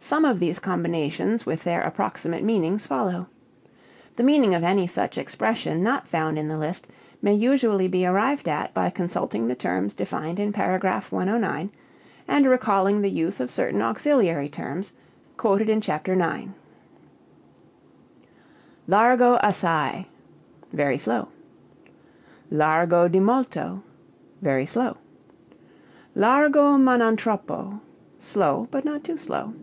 Some of these combinations with their approximate meanings follow. The meaning of any such expression not found in the list may usually be arrived at by consulting the terms defined in paragraph 109 and recalling the use of certain auxiliary terms quoted in Chapter IX. Largo assai very slow. Largo di molto very slow. Largo ma non troppo slow, but not too slow.